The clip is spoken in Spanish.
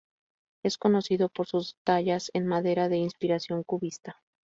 Es conocido por sus tallas en madera de inspiración cubista.